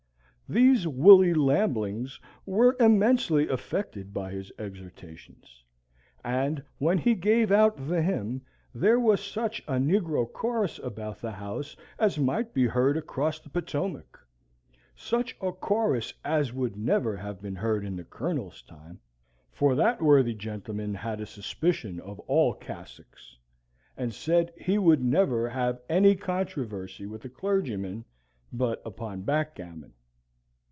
These woolly lamblings were immensely affected by his exhortations, and, when he gave out the hymn, there was such a negro chorus about the house as might be heard across the Potomac such a chorus as would never have been heard in the Colonel's time for that worthy gentleman had a suspicion of all cassocks, and said he would never have any controversy with a clergyman but upon backgammon.